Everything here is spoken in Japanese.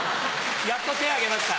やっと手挙げました